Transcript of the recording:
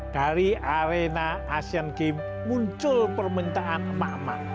dari arena asian game muncul permintaan emak emak